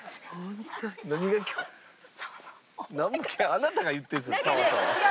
あなたが言ってるんですよ